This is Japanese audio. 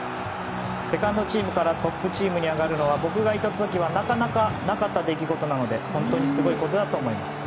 セカンドチームからトップチームに上がるのは僕がいた時はなかなか、なかったことなので本当にすごいことだと思います。